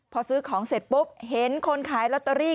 ปุ๊บเห็นคนขายลอตเตอรี่